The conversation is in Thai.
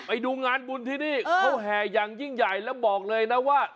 ไปดูงานบุญที่นี่เขาแห่อย่างยิ่งใหญ่แล้วบอกเลยนะว่า